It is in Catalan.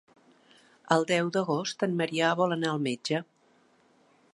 El deu d'agost en Maria vol anar al metge.